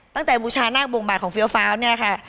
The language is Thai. ตั้งแต่บูชานาคบวงบาทของฟียวฟ้าวเนี่ยค่ะ